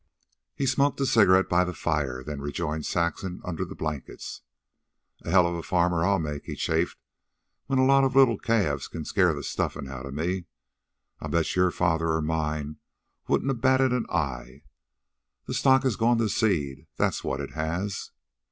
He smoked a cigarette by the fire, then rejoined Saxon under the blankets. "A hell of a farmer I'll make," he chafed, "when a lot of little calves can scare the stuffin' outa me. I bet your father or mine wouldn't a batted an eye. The stock has gone to seed, that's what it has."